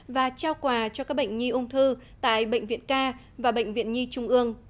và trao quà cho các bệnh nhi ung thư tại bệnh viện ca và bệnh viện nhi trung ương